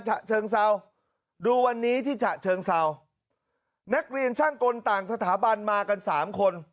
ฉะเชิงเซาดูวันนี้ที่ฉะเชิงเซานักเรียนช่างกลต่างสถาบันมากันสามคน